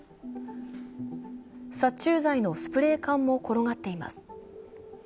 殺虫剤のスプレー缶も転がっています。